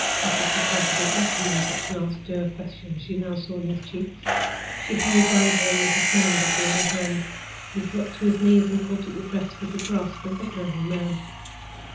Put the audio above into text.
Mrs. Lecount had not reckoned on such an answer to her question as she now saw in his cheeks. She hurried round to him, with the smelling bottle in her hand. He dropped to his knees and caught at her dress with the grasp of a drowning man.